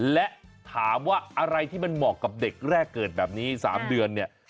และถามว่าอะไรที่มันเหมาะกับเด็กแรกเกิดแบบนี้๓เดือนเนี่ย